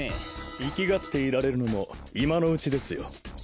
いきがっていられるのも今のうちですよ。